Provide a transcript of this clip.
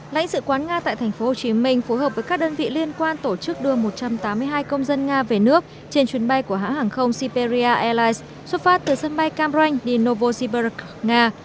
lãnh sự quán nga tại thành phố hồ chí minh phù hợp với các đơn vị liên quan tổ chức đưa một trăm tám mươi hai công dân nga về nước trên chuyến bay của hãng hàng không siberia airlines xuất phát từ sân bay cam ranh đi novosibirsk nga